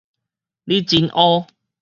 你真烏